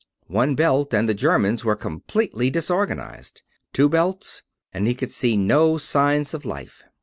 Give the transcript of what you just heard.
One belt and the Germans were completely disorganized; two belts and he could see no signs of life.